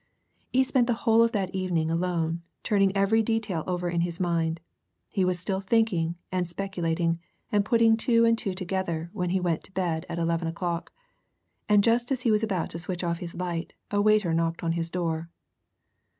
He spent the whole of that evening alone, turning every detail over in his own mind; he was still thinking, and speculating, and putting two and two together when he went to bed at eleven o'clock. And just as he was about to switch off his light a waiter knocked on his door.